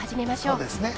そうですね。